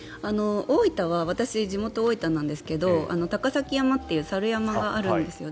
大分は私、地元が大分なんですが高崎山という猿山があるんですよ。